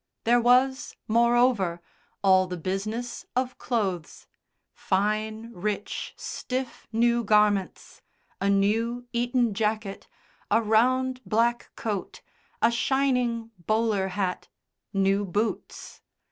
There was, moreover, all the business of clothes fine, rich, stiff new garments a new Eton jacket, a round black coat, a shining bowler hat, new boots.